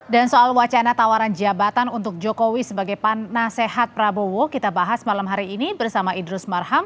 dan soal wacana tawaran jabatan untuk jokowi sebagai panasehat prabowo kita bahas malam hari ini bersama idrus marham